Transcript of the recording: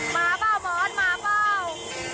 มาป่าวมอสมาป่าว